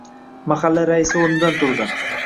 Mahalla raisi o`rnidan turdi